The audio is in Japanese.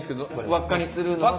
輪っかにするのは？